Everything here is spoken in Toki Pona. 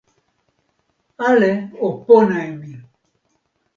ale o pona e mi.